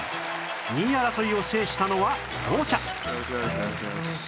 ２位争いを制したのは紅茶